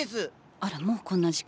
あらもうこんな時間。